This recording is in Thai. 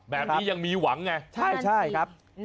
แบบนี้ยังมีหวังไงใช่ครับ